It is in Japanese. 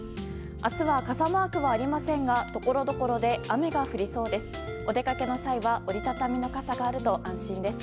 明日は傘マークはありませんがところどころで雨が降りそうです。